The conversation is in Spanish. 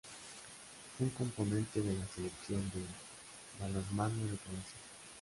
Fue un componente de la Selección de balonmano de Croacia.